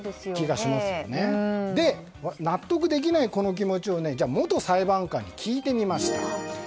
納得できないこの気持ちを元裁判官に聞いてみました。